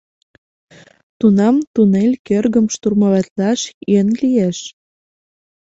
— Тунам туннель кӧргым штурмоватлаш йӧн лиеш.